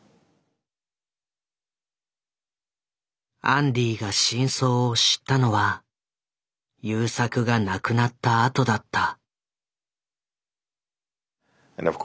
アンディが真相を知ったのは優作が亡くなったあとだった。